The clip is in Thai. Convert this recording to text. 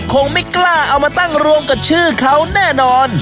คงไม่กล้าเอามาตั้งรวมกับชื่อเขาแน่นอน